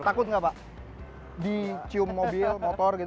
takut nggak pak dicium mobil motor gitu